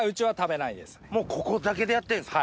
もうここだけでやってんすか？